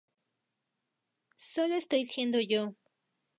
Sólo estoy siendo yo.